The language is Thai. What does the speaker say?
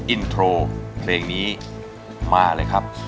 อินโทรเพลงนี้มาเลยครับ